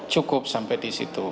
cukup sampai di situ